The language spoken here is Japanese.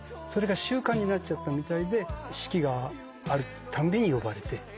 それが習慣になっちゃったみたいで式があるたんびに呼ばれて。